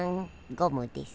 ゴムです。